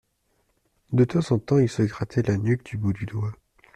De temps en temps il se grattait la nuque du bout du doigt.